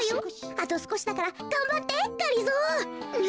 あとすこしだからがんばってがりぞー。